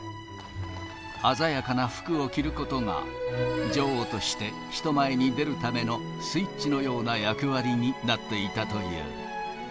鮮やかな服を着ることが、女王として人前に出るためのスイッチのような役割になっていたという。